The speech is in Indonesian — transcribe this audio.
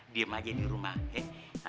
diem aja di rumah